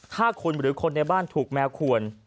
ถ้าคุณหรือคนในบ้านถูกแมวขวน